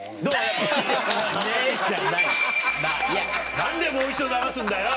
何でもう一度流すんだよ！